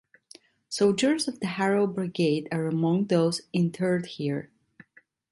Soldiers of the Harel Brigade are among those interred here.